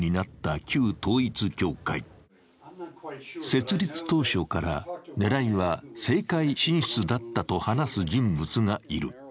設立当初から狙いは政界進出だったと話す人物がいる。